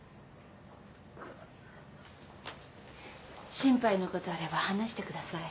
心配のことあれば話してください。